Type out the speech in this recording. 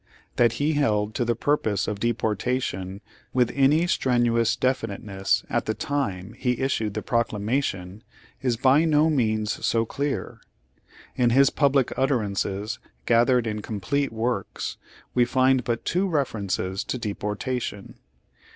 That he held to the purpose of deportation with any strenuous definiteness at the time he issued the Proclamation is by no means so clear. In his public utterances, gathered in the ''Complete Works," we find but two references to "deportation."